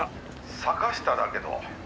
「坂下だけど」